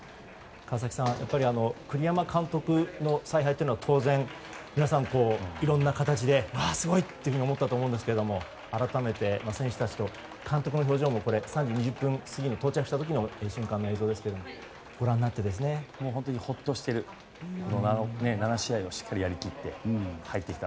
川崎さん、やっぱり栗山監督の采配というのは当然皆さん、いろんな形ですごいって思ったと思うんですが改めて選手たちと監督の表情も３時２０分過ぎに到着した時の瞬間の映像ですがご覧になって本当にほっとしてるのが７試合をしっかりやり切って帰ってきた。